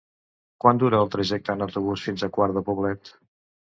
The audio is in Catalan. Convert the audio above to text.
Quant dura el trajecte en autobús fins a Quart de Poblet?